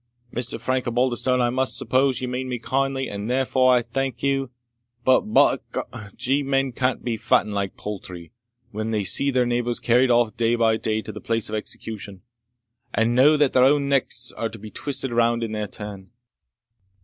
"Mr. Frank Osbaldistone, I must suppose you mean me kindly, and therefore I thank you. But, by G , men cannot be fattened like poultry, when they see their neighbours carried off day by day to the place of execution, and know that their own necks are to be twisted round in their turn."